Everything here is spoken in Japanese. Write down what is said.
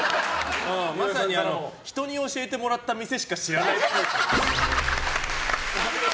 まさに人に教えてもらった店しか知らないっぽい。